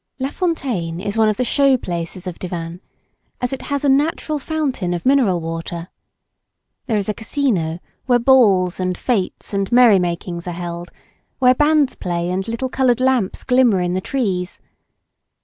La Fontaine is one of the show places of Divan, as it has a natural fountain of mineral water. There is a casino where balls and fêtes and merry makings are held, where bands play and little coloured lamps glimmer in the trees.